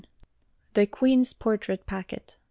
The "Queen's Portrait" Packet.